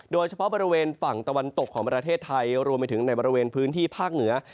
โดยเฉพาะบริเวณฝั่งตะวันตกของประเทศไทยรวมไปถึงในบริเวณพื้นที่ภาคเหนือ